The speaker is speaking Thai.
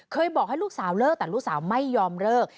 บอกให้ลูกสาวเลิกแต่ลูกสาวไม่ยอมเลิก